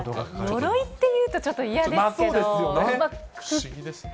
呪いっていうと、ちょっと嫌不思議ですね。